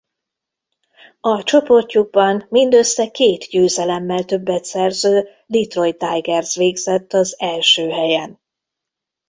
A csoportjukban mindössze két győzelemmel többet szerző Detroit Tigers végzett az első helyen.